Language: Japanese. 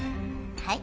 はい。